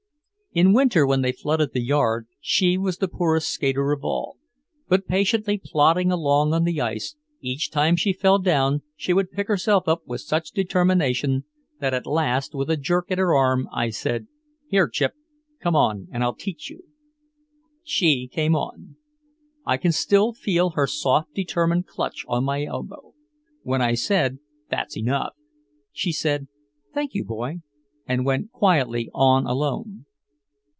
In winter when they flooded the yard she was the poorest skater of all, but patiently plodding along on the ice, each time she fell down she would pick herself up with such determination that at last with a jerk at her arm I said, "Here, Chip, come on and I'll teach you." She came on. I can still feel her soft determined clutch on my elbow. When I said, "That's enough," she said, "Thank you, Boy," and went quietly on alone.